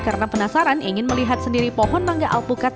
karena penasaran ingin melihat sendiri pohon mangga alpukat